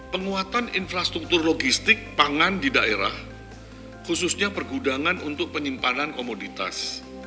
penguatan infrastruktur logistik pangan di daerah khususnya pergudangan untuk penyimpanan komoditas